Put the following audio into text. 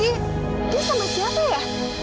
dia sama siapa ya